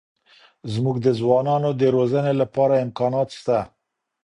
زموږ د ځوانانو د روزنې لپاره امکانات سته.